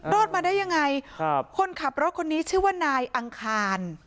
รอดมาได้ยังไงครับคนขับรถคนนี้ชื่อว่านายอังคาร